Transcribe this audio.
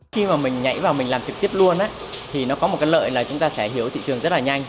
khi mà mình nhảy vào mình làm trực tiếp luôn á thì nó có một cái lợi là chúng ta sẽ hiểu thị trường rất là nhanh